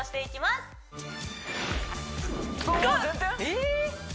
えっ！